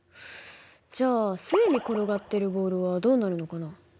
じゃあ既に転がっているボールはどうなるのかな？